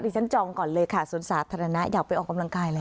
ฉันจองก่อนเลยค่ะสวนสาธารณะอยากไปออกกำลังกายเลย